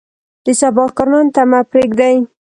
د سبا کار نن ته مه پرېږدئ.